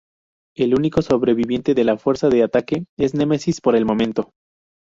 El único sobreviviente de la fuerza de ataque es Nemesis, por el momento.